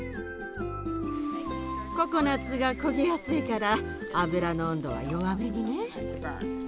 ココナツが焦げやすいから油の温度は弱めにね。